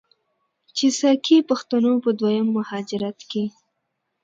چې ساکي پښتنو په دویم مهاجرت کې،